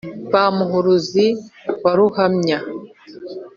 ba muhuruzi wa ruhamya,